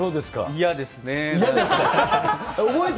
嫌ですか？